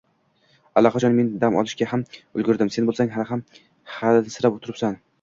Allaqachon! Men dam olishga ham ulgurdim, sen bo’lsang, hali ham hansirab turibsan